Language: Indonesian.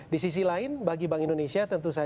di sisi lain bagi bank indonesia tentu saja